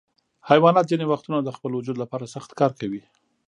حیوانات ځینې وختونه د خپل وجود لپاره سخت کار کوي.